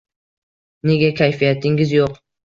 Nega kayfiyatingiz yo`q